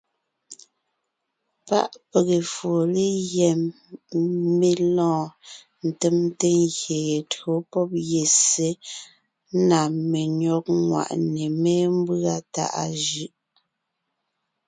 Páʼ pege foo legyɛ́ ngie mé lɔɔn ńtemte ngyè ye tÿǒ pɔ́b ngyè ye ssé na menÿɔ́g ŋwàʼne mémbʉ́a tàʼa jʉʼ.